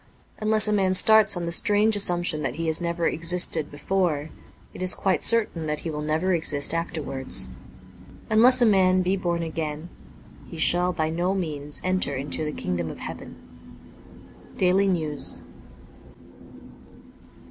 Unless a man starts on the strange assumption that he has never existed before, it is quite certain that he will never exist afterwards. Unless a man be born again, he shall by no means enter into the Kingdom of Heaven. ' Daily Nezus.